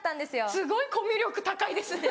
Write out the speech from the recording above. すごいコミュ力高いですね。